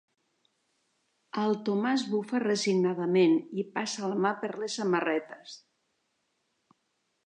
El Tomàs bufa resignadament i passa la mà per les samarretes.